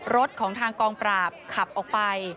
รถของทางกองปราบขับออกไป